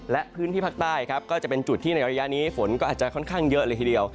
และพื้นที่ภาคใต้ครับก็จะเป็นจุดที่ในระยะนี้ฝนก็อาจจะค่อนข้างเยอะเลยทีเดียว